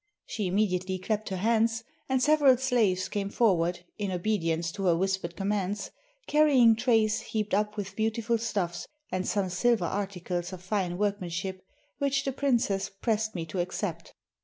She immediately clapped her hands, and several slaves came forward, in obedience to her whispered commands, carrying trays heaped up with beautiful stuffs, and some silver articles of fine workmanship, which the princess pressed me to accept.